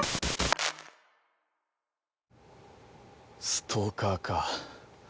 ストーカーか。